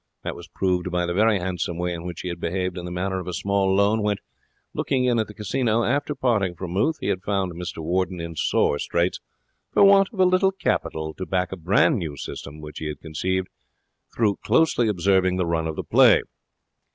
That was proved by the very handsome way in which he had behaved in the matter of a small loan when, looking in at the casino after parting from Ruth, he had found Mr Warden in sore straits for want of a little capital to back a brand new system which he had conceived through closely observing the run of the play.